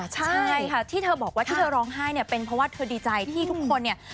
ใช่ค่ะที่เธอบอกว่าที่เธอร้องไห้เนี่ยเป็นเพราะว่าเธอดีใจที่ทุกคนเนี่ย